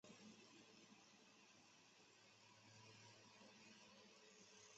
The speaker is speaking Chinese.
伏龙芝军事学院是苏联陆军培养中级指挥和参谋军官的军事院校。